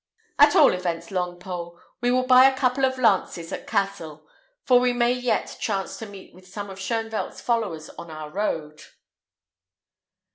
At all events, Longpole, we will buy a couple of lances at Cassel; for we may yet chance to meet with some of Shoenvelt's followers on our road."